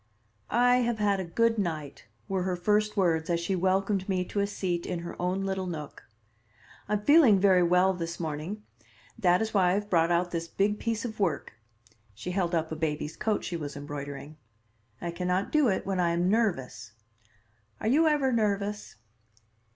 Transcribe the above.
"I have had a good night," were her first words as she welcomed me to a seat in her own little nook. "I'm feeling very well this morning. That is why I have brought out this big piece of work." She held up a baby's coat she was embroidering. "I can not do it when I am nervous. Are you ever nervous?"